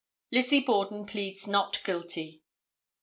Lizzie Borden Pleads "Not Guilty."